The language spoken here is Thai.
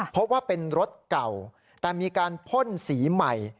พบว่าเป็นรถเก่าแต่มีการพ่นสีใหม่